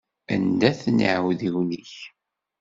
Anda-ten iεudiwen-ik?